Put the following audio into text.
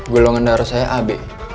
golongan darah saya ab